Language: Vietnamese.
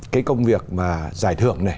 cái công việc mà giải thưởng này